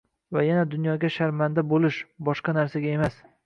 va yana dunyoga sharmanda bo‘lish, boshqa narsaga emas.